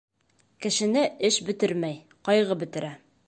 Кешене эш бөтөрмәй, ҡайғы бөтөрә.